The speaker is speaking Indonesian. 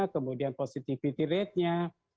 kemudian positivity ratenya